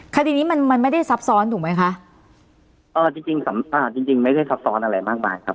คดีนี้มันมันไม่ได้ซับซ้อนถูกไหมคะเอ่อจริงจริงสำอ่าจริงจริงไม่ได้ซับซ้อนอะไรมากมายครับ